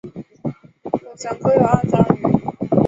孔祥柯有二子二女